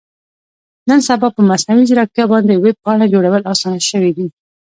نن سبا په مصنوي ځیرکتیا باندې ویب پاڼه جوړول اسانه شوي دي.